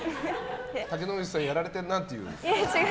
竹野内さんやられてんなっていう？